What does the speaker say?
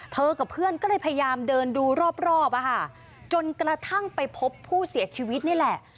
กับเพื่อนก็เลยพยายามเดินดูรอบอะค่ะจนกระทั่งไปพบผู้เสียชีวิตนี่แหละ